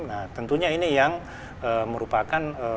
nah tentunya ini yang merupakan